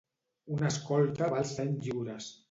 Un escolta val cent lliures.